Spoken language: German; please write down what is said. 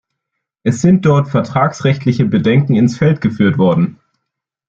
Es sind dort vertragsrechtliche Bedenken ins Feld geführt worden.